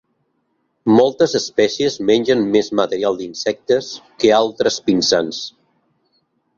Moltes espècies mengen més material d'insectes que altres pinsans.